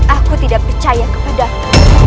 aku tidak percaya kepadamu